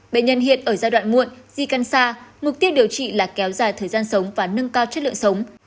bệnh nhân hiện ở giai đoạn muộn di căn xa mục tiêu điều trị là kéo dài thời gian sống và nâng cao chất lượng sống